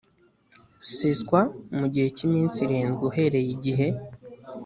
seswa mu gihe cy iminsi irindwi uhereye igihe